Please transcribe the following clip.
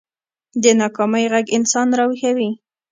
د ناکامۍ غږ انسان راويښوي